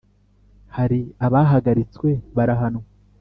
Hari abahagaritswe barahanwa